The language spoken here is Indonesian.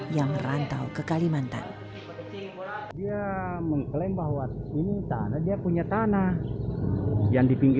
yang merantau ke kalimantan